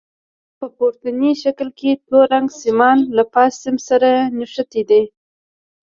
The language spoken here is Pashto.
په پورتني شکل کې تور رنګ سیمان له فاز سیم سره نښتي دي.